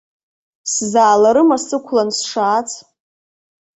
Сзааларыма сықәлан сшаац?